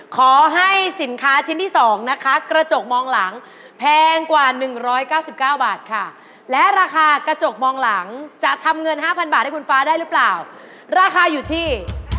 ขอให้สินค้าชิ้นที่๒นะคะกระจกมองหลังแพงกว่า๑๙๙บาทค่ะและราคากระจกมองหลังจะทำเงิน๕๐๐บาทให้คุณฟ้าได้หรือเปล่าราคาอยู่ที่